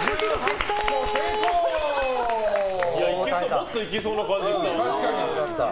もっといけそうな感じした。